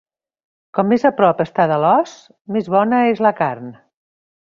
Com més a prop està de l'os, més bona és la carn.